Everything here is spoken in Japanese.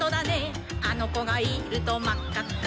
「あのこがいるとまっかっか」